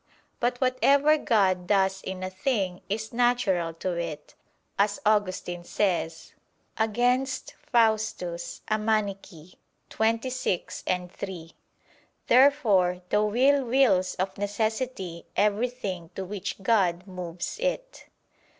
But "whatever God does in a thing is natural to it," as Augustine says (Contra Faust. xxvi, 3). Therefore the will wills of necessity everything to which God moves it.